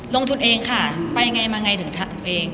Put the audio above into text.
ลงทุนเองค่ะไปไงมาไงถึงทำเอง